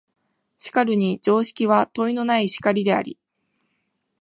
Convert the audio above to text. しかるに常識は問いのない然りであり、